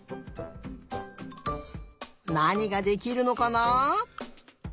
なにができるのかなあ？